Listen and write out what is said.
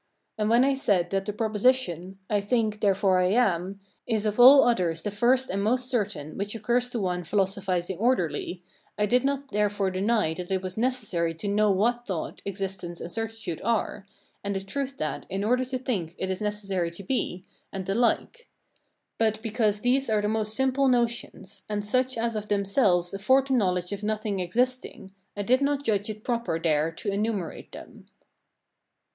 And when I said that the proposition, I THINK, THEREFORE I AM, is of all others the first and most certain which occurs to one philosophizing orderly, I did not therefore deny that it was necessary to know what thought, existence, and certitude are, and the truth that, in order to think it is necessary to be, and the like; but, because these are the most simple notions, and such as of themselves afford the knowledge of nothing existing, I did not judge it proper there to enumerate them.